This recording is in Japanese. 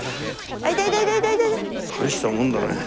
大したもんだね。